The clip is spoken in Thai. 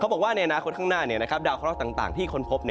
บอกว่าในอนาคตข้างหน้าดาวเคราะห์ต่างที่ค้นพบ